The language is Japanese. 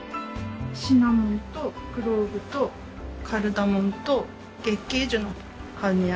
シナモンとクローブとカルダモンと月桂樹の葉になります。